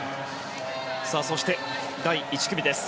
そして、第１組です。